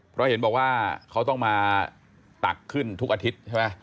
เพราะเห็นบอกว่าเขาต้องมาตักขึ้นทุกอาทิตย์ใช่ไหม